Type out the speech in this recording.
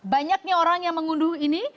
banyaknya orang yang mengunduh ini